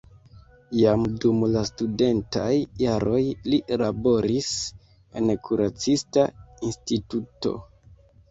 Jam dum la studentaj jaroj li laboris en kuracista instituto.